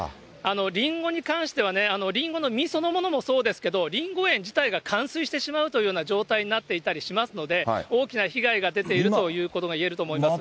リンゴに関しては、リンゴの実そのものもそうですけど、リンゴ園自体が冠水してしまうというような状態になっていたりしますので、大きな被害が出ているということが言えると思います。